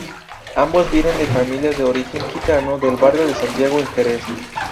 Ambos vienen de familias de origen gitano del barrio de Santiago en Jerez.